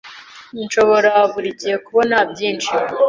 Nshobora buri gihe kubona byinshi.